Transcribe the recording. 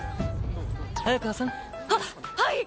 早川さん。ははい！